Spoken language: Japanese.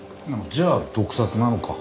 じゃあ毒殺なのか。